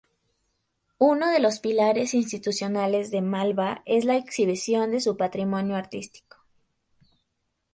Uno de los pilares institucionales de Malba es la exhibición de su patrimonio artístico.